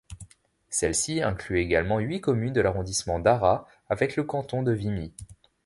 Celles-ci incluent également huit communes de l'arrondissement d'Arras avec le canton de Vimy.